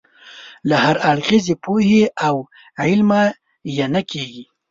له هراړخیزې پوهې او علمه یې نه کېږي.